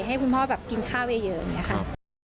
ให้คุณพ่อกินข้าวเยอะ